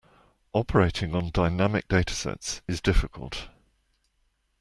Operating on dynamic data sets is difficult.